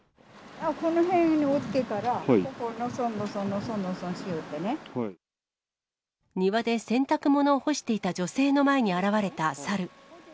この辺におってから、のその庭で洗濯物を干していた女性の前に現れた猿。